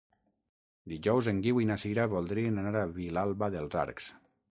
Dijous en Guiu i na Sira voldrien anar a Vilalba dels Arcs.